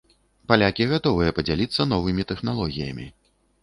Палякі гатовыя падзяліцца новымі тэхналогіямі.